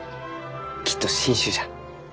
きっと新種じゃ。